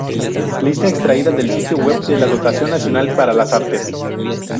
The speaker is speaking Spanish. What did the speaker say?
Lista extraída del sitio web de la Dotación Nacional para las Artes.